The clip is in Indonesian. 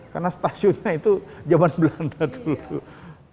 karena stasiunnya itu zaman belanda dulu